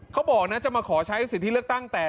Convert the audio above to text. เขาบอกนะจะมาขอใช้สิทธิเลือกตั้งแต่